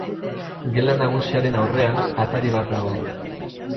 Gela nagusiaren aurrean atari bat dago.